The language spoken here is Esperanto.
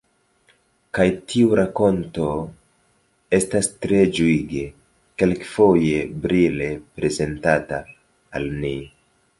Kaj tiu rakonto estas tre ĝuige, kelkfoje brile, prezentata al ni.